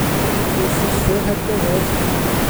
Dyw'r llythyr heb gyrraedd.